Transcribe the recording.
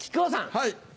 はい。